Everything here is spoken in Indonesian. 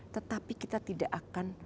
tetapi kita tidak akan